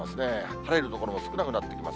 晴れる所も少なくなってきます。